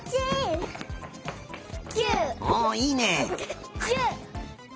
おいいね。